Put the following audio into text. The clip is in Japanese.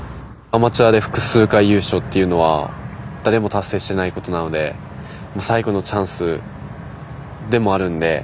アマチュアで複数回優勝っていうのは誰も達成していないことなので最後のチャンスでもあるので。